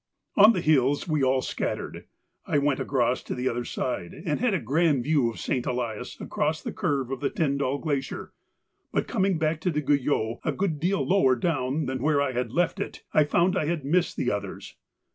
On the hills we all scattered; I went across to the other side and had a grand view of St. Elias across the curve of the Tyndall Glacier, but coming back to the Guyot a good deal lower down than where I had left it, I found I had missed the others.